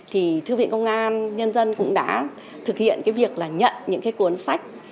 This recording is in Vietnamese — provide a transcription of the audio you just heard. thì thư viện công an nhân dân cũng đã thực hiện việc nhận những cuốn sách